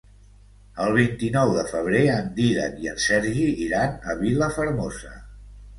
El vint-i-nou de febrer en Dídac i en Sergi iran a Vilafermosa.